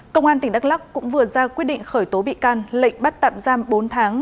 công an tỉnh đắk lắc cũng vừa ra quyết định khởi tố bị can lệnh bắt tạm giam bốn tháng